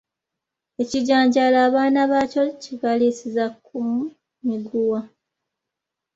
Ekijanjaalo abaana baakyo kibaliisiza ku miguwa.